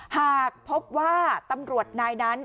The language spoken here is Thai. หากพบว่าตำรวจนายนั้น